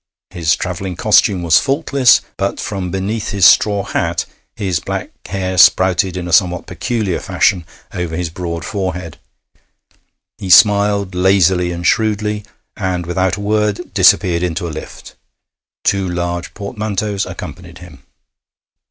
His travelling costume was faultless, but from beneath his straw hat his black hair sprouted in a somewhat peculiar fashion over his broad forehead. He smiled lazily and shrewdly, and without a word disappeared into a lift. Two large portmanteaus accompanied him.